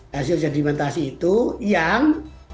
hasil sedimentasi itu yang